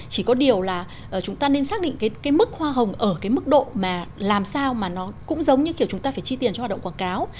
chỉ có điều là chúng ta nên xác định cái mức hoa hồng ở cái mức độ mà làm sao mà nó cũng giống như kiểu chúng ta phải chi tiền cho hoạt động quảng cáo